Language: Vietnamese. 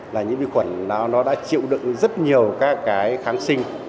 là những cái nhiễm khuẩn nó đã chịu đựng rất nhiều các cái kháng sinh